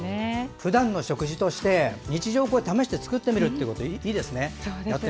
ふだんの食事として日常に試して作ってみるというのもいいですね。